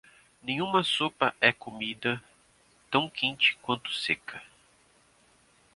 Nenhuma sopa é comida tão quente quanto seca.